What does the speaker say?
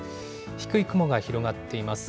低い雲が広がっています。